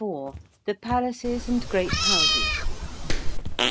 THE PALACES AND GREAT HOUSES.